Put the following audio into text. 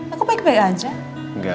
aku baik baik aja